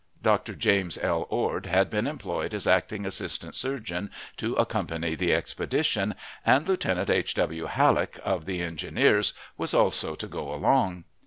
Dr. James L. Ord had been employed as acting assistant surgeon to accompany the expedition, and Lieutenant H. W. Halleck, of the engineers, was also to go along.